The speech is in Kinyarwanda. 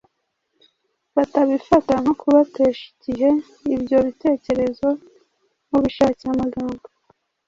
batabifata nko kubatesha igihe. Ibyo bitekerezo, ubishakira amagambo